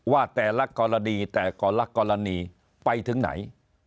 ว่าแต่ละกรณีแต่ละกรณีไปถึงไหน